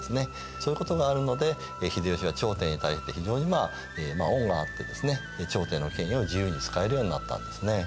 そういうことがあるので秀吉は朝廷に対して非常にまあ恩があってですね朝廷の権威を自由に使えるようになったんですね。